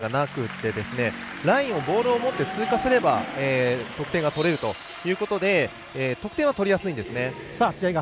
基本的にシュートみたいな概念がなくてラインをボールを持って通過すれば得点が取れるということで得点は取りやすいです。